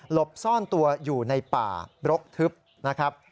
บซ่อนตัวอยู่ในป่ารกทึบนะครับ